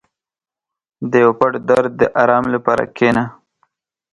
• د یو پټ درد د آرام لپاره کښېنه.